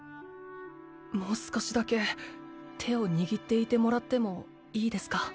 もう少しだけ手を握っていてもらってもいいですか？